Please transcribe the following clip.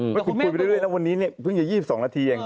คุณพูดไปเรื่อยวันนี้เพิ่งอยู่๒๒นาที